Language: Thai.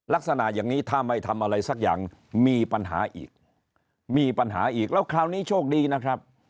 ลักษณะอย่างนี้ถ้าไม่ทำอะไรสักอย่างมีปัญหาอีกมีปัญหาอีกแล้วคราวนี้โชคดีนะครับ